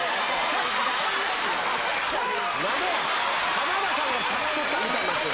浜田さんが勝ち取ったみたいになってる。